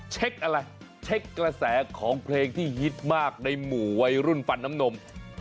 เช็คอะไรเช็คกระแสของเพลงที่ฮิตมากในหมู่วัยรุ่นฟันน้ำนม